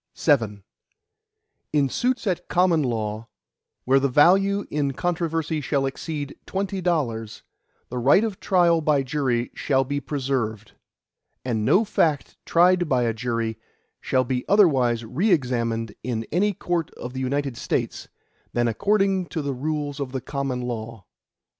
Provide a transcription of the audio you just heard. VII In suits at common law, where the value in controversy shall exceed twenty dollars, the right of trial by jury shall be preserved, and no fact tried by a jury shall be otherwise re examined in any court of the United States, than according to the rules of the common law.